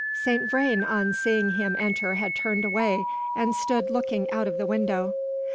Saint Vrain on seeing him enter had turned away, and stood looking out of the window.